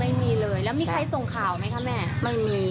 ใหม่ตอนไหนก็เต้นข่าวใช่ไหมแม่